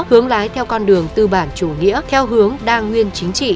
hướng lái theo con đường tư bản chủ nghĩa theo hướng đa nguyên chính trị